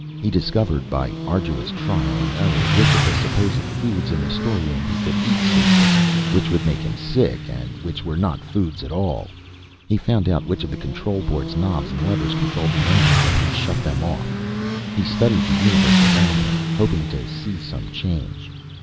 He discovered, by arduous trial and error, which of the supposed foods in the storerooms he could eat safely, which would make him sick, and which were not foods at all. He found out which of the control board's knobs and levers controlled the engines, and he shut them off. He studied the universe around him, hoping to see some change.